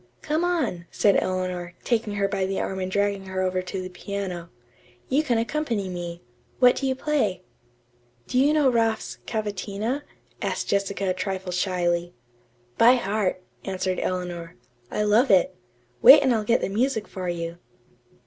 "Come on," said Eleanor, taking her by the arm and dragging her over to the piano. "You can accompany me. What do you play?" "Do you know Raff's 'Cavatina'?" asked Jessica a trifle shyly. "By heart," answered Eleanor. "I love it. Wait and I'll get the music for you."